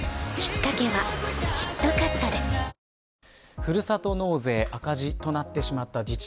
ふるさと納税赤字となってしまった自体。